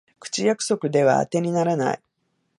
口約束ではあてにならない